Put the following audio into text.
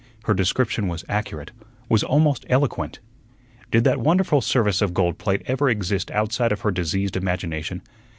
Her description was accurate, was almost eloquent. Did that wonderful service of gold plate ever exist outside of her diseased imagination?